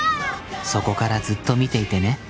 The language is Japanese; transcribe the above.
そこからずっと見ていてね